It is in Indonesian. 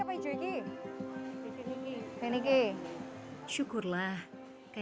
worth seratus ribu trus bag udah dateng blem